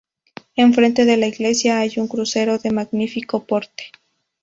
En frente de la iglesia hay un crucero de magnífico porte.